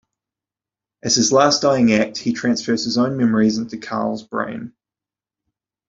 As his last dying act he transfers his own memories into Karl's brain.